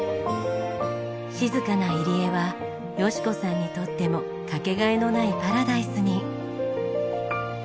静かな入り江は芳子さんにとってもかけがえのないパラダイスに。